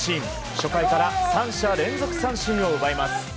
初回から３者連続三振を奪います。